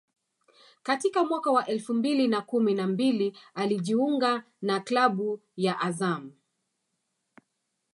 Katika mwaka wa elfu mbili na kumi na mbili alijiunga na klabu ya Azam